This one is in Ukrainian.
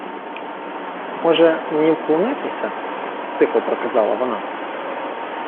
— Може, мені вклонитися? — тихо проказала вона.